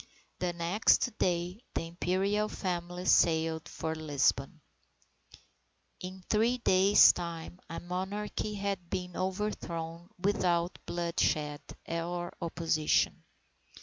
The next day the Imperial Family sailed for Lisbon. In three days' time a monarchy had been overthrown without bloodshed or opposition.